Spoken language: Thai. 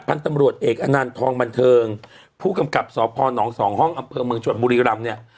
พันธ์ทำรวชเอกอันนั้นท้องบันเทิงผู้กำกับสอภอนต์๒ห้องอำเบิกเมืองจวดบุรีหลัมเนี้ย